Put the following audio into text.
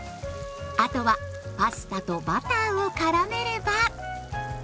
あとはパスタとバターをからめれば。